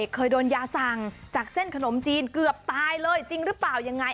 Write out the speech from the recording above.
เคยโดนยาสั่งจากเส้นขนมจีนเกือบตายเลยจริงหรือเปล่ายังไง